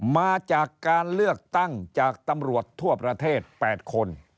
มาจากการเลือกตั้งจากตำรวจทั่วประเทศ๘คน